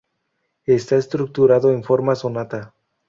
Está estructurado en forma sonata.